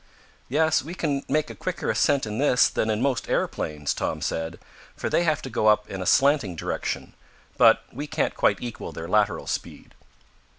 "Yes, we can make a quicker ascent in this than in most aeroplanes," Tom said, "for they have to go up in a slanting direction. But we can't quite equal their lateral speed."